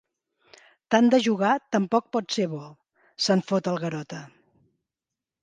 Tant de jugar tampoc pot ser bo —se'n fot el Garota.